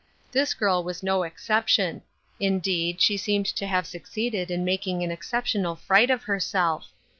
This girl was no exception ; indeed, she seemed to have succeeded in making an excep tional fright of herself.